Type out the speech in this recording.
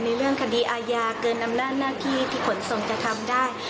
ในเรื่องคดีอาญาเกินอำนาจหน้าที่ที่ขนส่งจะทำได้